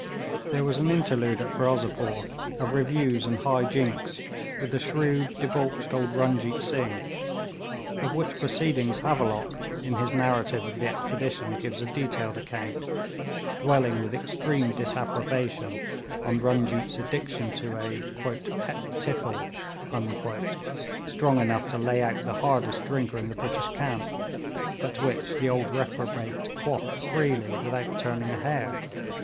There was an interlude at Ferozepore of reviews and high jinks with the shrewd, debauched old Runjeet Singh; of which proceedings Havelock in his narrative of the expedition gives a detailed account, dwelling with extreme disapprobation on Runjeet's addiction to a 'pet tipple' strong enough to lay out the hardest drinker in the British camp, but which the old reprobate quaffed freely without turning a hair.